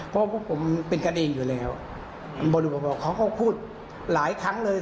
เพราะพวกผมเป็นกันเองอยู่แล้วบริบทบอกเขาก็พูดหลายครั้งเลย